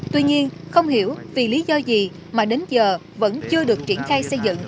tuy nhiên không hiểu vì lý do gì mà đến giờ vẫn chưa được triển khai xây dựng